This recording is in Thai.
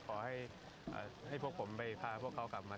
ขอให้พวกผมไปพาพวกเขากลับมา